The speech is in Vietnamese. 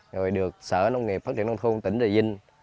rồi được sở nông nghiệp phát triển nông thôn tỉnh rà vinh